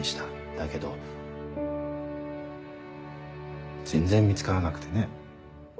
だけど全然見つからなくてね。